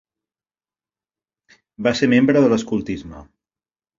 Va ser membre de l'escoltisme.